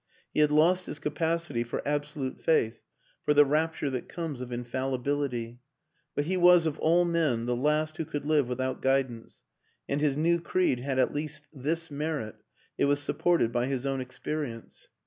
He had lost his capacity for absolute faith, for the rapture that comes of infallibility; but he was of all men the last who could live without guidance, and his new creed had at least this merit it was supported by his own experience.